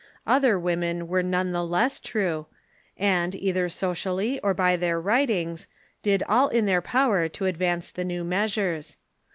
Other women were none the less true, and, either socially or by their writings, did all in their power to advance the new measures.